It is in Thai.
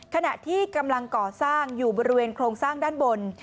ขณะที่กำลังก่อสร้างอยู่บริเวณโครงสร้างด้านบน